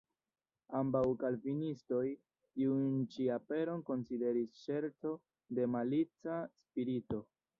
Ambaŭ kalvinistoj tiun ĉi aperon konsideris ŝerco de malica spirito.